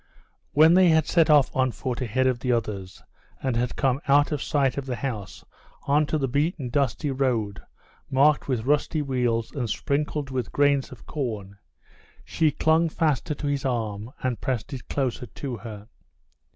When they had set off on foot ahead of the others, and had come out of sight of the house onto the beaten dusty road, marked with rusty wheels and sprinkled with grains of corn, she clung faster to his arm and pressed it closer to her.